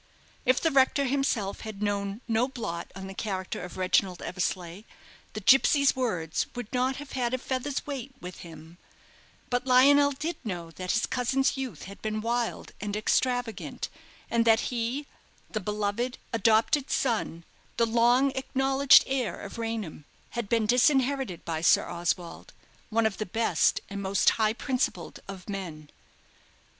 If the rector himself had known no blot on the character of Reginald Eversleigh, the gipsy's words would not have had a feather's weight with him; but Lionel did know that his cousin's youth had been wild and extravagant, and that he, the beloved, adopted son, the long acknowledged heir of Raynham, had been disinherited by Sir Oswald one of the best and most high principled of men.